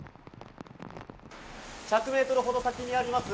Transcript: １００ｍほど先にあります